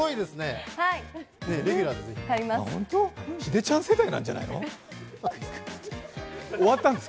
秀ちゃん世代なんじゃないの？